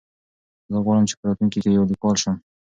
زه غواړم چې په راتلونکي کې یو لیکوال شم.